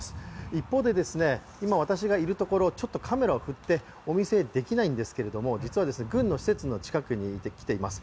一方で、今、私がいるところ、カメラを振ってお見せできないんですけれども実は軍の施設の近くに来ています。